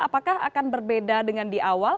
apakah akan berbeda dengan di awal